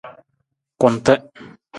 Kunta.